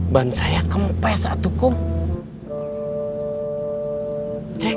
ban saya kempes tukang rebut suami orang jalan